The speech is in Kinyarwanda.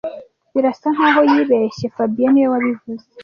Birasa nkaho yibeshye fabien niwe wabivuze